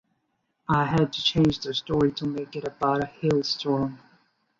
I had to change the story to make it about a hailstorm.